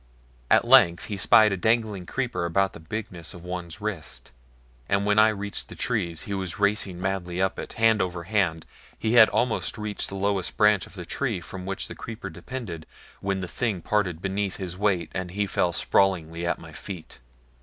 At length he spied a dangling creeper about the bigness of one's wrist, and when I reached the trees he was racing madly up it, hand over hand. He had almost reached the lowest branch of the tree from which the creeper depended when the thing parted beneath his weight and he fell sprawling at my feet.